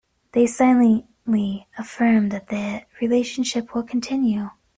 They silently affirm that the relationship will continue.